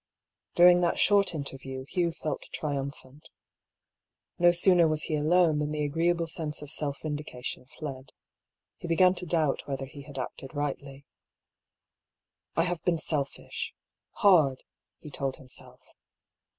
During that short interview Hugh felt triumphant. No sooner was he alone than the agreeable sense of self vindication fled. He began to doubt whether he had acted rightly. " I have been selfish — hard," he told himself.